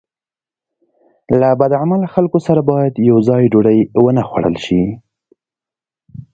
له بد عمله خلکو سره باید یوځای ډوډۍ ونه خوړل شي.